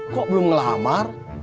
kok belum melamar